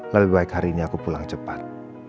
lebih baik hari ini aku pulang cepat